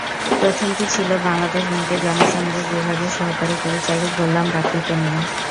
প্রথমটি ছিল বাংলাদেশ ব্যাংকের জনসংযোগ বিভাগের সহকারী পরিচালক গোলাম রাব্বিকে নিয়ে।